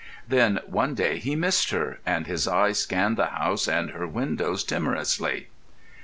Then one day he missed her, and his eyes scanned the house and her windows timorously.